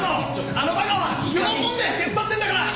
あのバカは喜んで手伝ってるんだから。